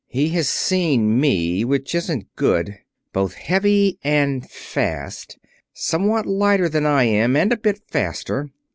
He has seen me, which isn't so good. Both heavy and fast somewhat lighter than I am, and a bit faster.